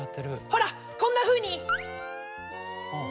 ほらこんなふうに！